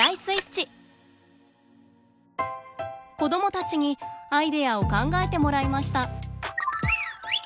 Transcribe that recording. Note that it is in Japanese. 子どもたちにアイデアを考えてもらいました。